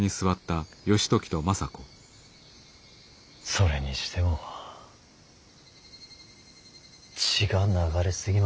それにしても血が流れ過ぎました。